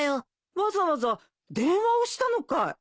わざわざ電話をしたのかい。